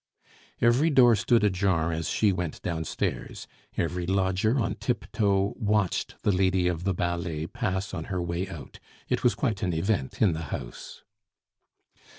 Every door stood ajar as she went downstairs. Every lodger, on tip toe, watched the lady of the ballet pass on her way out. It was quite an event in the house.